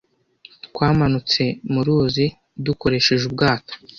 Twamanutse mu ruzi dukoresheje ubwato.